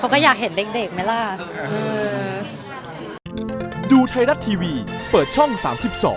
ก็อยากเห็นเด็กไหมล่ะ